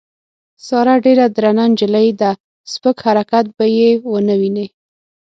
ساره ډېره درنه نجیلۍ ده سپک حرکت به یې ونه وینې.